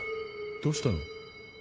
どうしたの？